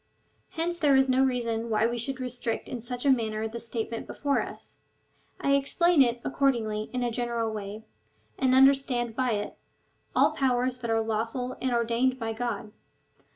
Hence there is no reason why we should restrict in such a manner the statement before us. I explain it, accordingly, in a general way, and understand by it — all powers that are lawful and ordained by God.